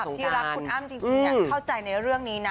แฟนคลับที่รักคุณอ้ำจริงอยากเข้าใจในเรื่องนี้นะ